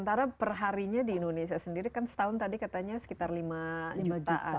karena perharinya di indonesia sendiri kan setahun tadi katanya sekitar lima jutaan